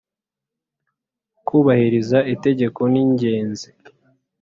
Kubahiriza Itegeko ningenzi.